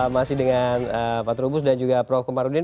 masih dengan pak trubus dan juga prof komarudin